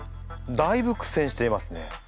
だいぶ苦戦していますね。